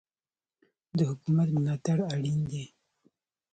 د حکومت ملاتړ اړین دی.